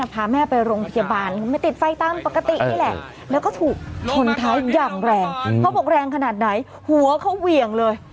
เพราะบอกแรงขนาดไหนหัวเขาเหวี่ยงเลย